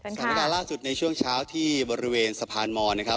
สถานการณ์ล่าสุดในช่วงเช้าที่บริเวณสะพานมอนนะครับ